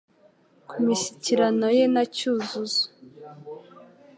ku mishyikirano ye na Cyuzuzo